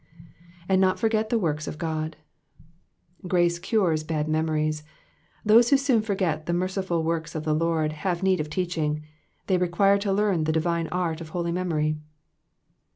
^^And not forget the toorks of Ood,"" Grace cures bad memories; those who soon forget the merciful works of the Lord have need of teaching ; they require to learn the divine art of holy memory.